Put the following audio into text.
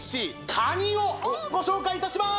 カニをご紹介いたします！